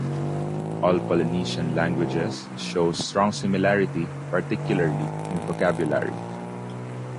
All Polynesian languages show strong similarity, particularly in vocabulary.